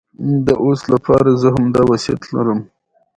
هرات د افغانستان د طبیعت د ښکلا برخه ده.